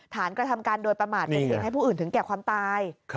กระทำการโดยประมาทเป็นเหตุให้ผู้อื่นถึงแก่ความตาย